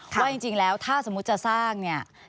ว่าจริงแล้วถ้าสมมติจะสร้าง